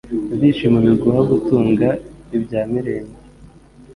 Ibyishimo biguha gutunga ibya mirenge